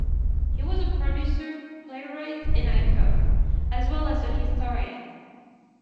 He was a producer, playwright, and actor, as well as a historian.